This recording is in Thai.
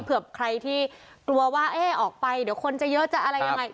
เผื่อใครที่กลัวว่าเอ๊ะออกไปเดี๋ยวคนจะเยอะจะอะไรยังไง